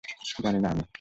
জানি না আমি!